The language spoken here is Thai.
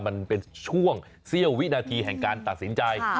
มันเป็นช่วงเสี้ยววินาทีแห่งการตัดสินใจ